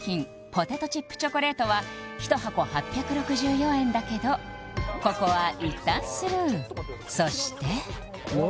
ポテトチップチョコレートは１箱８６４円だけどここはいったんスルーそして何？